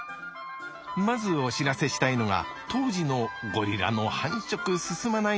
まずお知らせしたいのが当時のゴリラの繁殖進まない問題です。